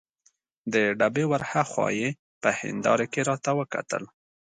د ډبې ور هاخوا یې په هندارې کې راته وکتل.